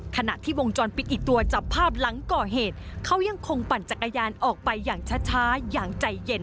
ขณะที่วงจรปิดอีกตัวจับภาพหลังก่อเหตุเขายังคงปั่นจักรยานออกไปอย่างช้าอย่างใจเย็น